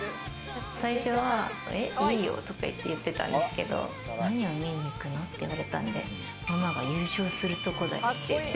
最初は、えっいいよ、とかって言ってたんですけど、何を見に行くの？って言われたんで、ママが優勝するところだよって。